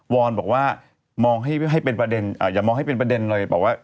อนบอกว่ามองให้เป็นประเด็นอย่ามองให้เป็นประเด็นเลยบอกว่า